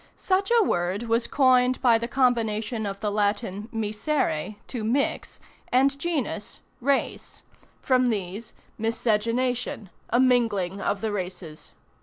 Such a word was coined by the combination of the Latin miscere, to mix, and genus, race: from these, miscegenation a mingling of the races.